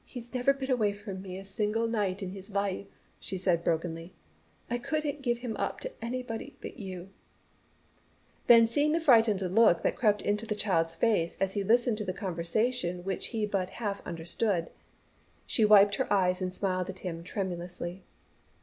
"He's never been away from me a single night in his life," she said brokenly. "I couldn't give him up to anybody but you." Then seeing the frightened look that crept into the child's face as he listened to the conversation which he but half understood, she wiped her eyes and smiled at him tremulously.